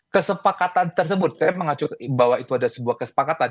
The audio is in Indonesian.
kesepakatan tersebut saya mengacu bahwa itu ada sebuah kesepakatan